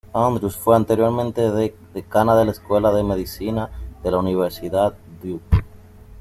Andrews fue anteriormente decana de la Escuela de Medicina de la Universidad Duke.